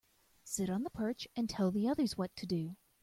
Sit on the perch and tell the others what to do.